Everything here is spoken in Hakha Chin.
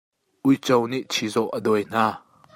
Uico nih chizawh a dawi hna.